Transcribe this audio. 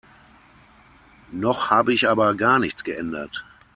Noch habe ich aber gar nichts geändert.